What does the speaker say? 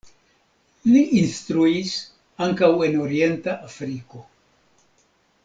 Li instruis ankaŭ en Orienta Afriko.